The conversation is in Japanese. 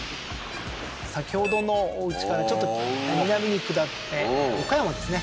先ほどのおうちからちょっと南に下って岡山ですね